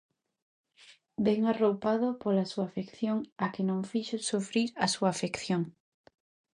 Ben arroupado pola súa afección, á que non fixo sufrir á súa afección.